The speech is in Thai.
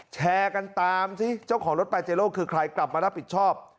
แชร์กันตามสิเจ้าของรถปาเจโลคือใครกลับมารับผิดชอบ